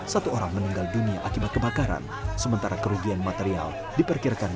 satu orang meninggal dunia akibat kebakaran sementara kerugian material diperkirakan